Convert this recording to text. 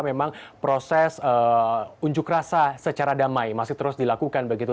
memang proses unjuk rasa secara damai masih terus dilakukan begitu